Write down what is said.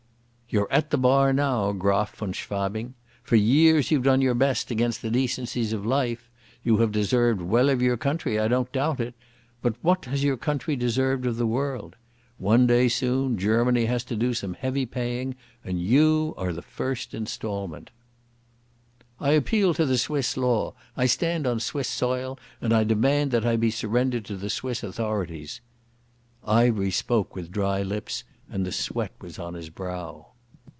"You're at the bar now, Graf von Schwabing. For years you've done your best against the decencies of life. You have deserved well of your country, I don't doubt it. But what has your country deserved of the world? One day soon Germany has to do some heavy paying, and you are the first instalment." "I appeal to the Swiss law. I stand on Swiss soil, and I demand that I be surrendered to the Swiss authorities." Ivery spoke with dry lips and the sweat was on his brow.